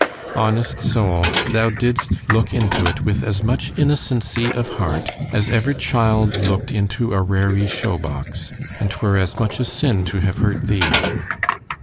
Honest soul! thou didst look into it with as much innocency of heart, as ever child look'd into a raree shew box; and 'twere as much a sin to have hurt thee.